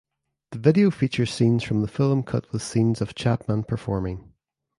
The video features scenes from the film cut with scenes of Chapman performing.